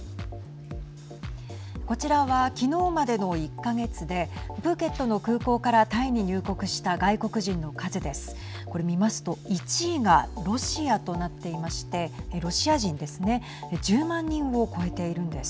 こちらは昨日までの１か月でプーケットの空港からタイに入国した外国人の数です。